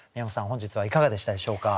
本日はいかがでしたでしょうか？